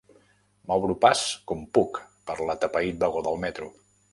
M'obro pas com puc per l'atapeït vagó del metro.